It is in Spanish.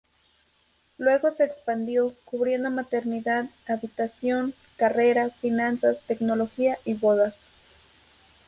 Luego se expandió, cubriendo maternidad, habitación, carrera, finanzas, tecnología y bodas.